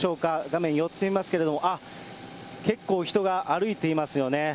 画面寄っていますけれども、あっ、結構人が歩いていますよね。